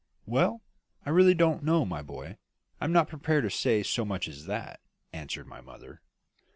"Well, I really don't know, my boy; I am not prepared to say so much as that," answered my mother.